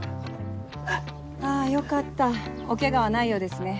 あぁよかったおケガはないようですね。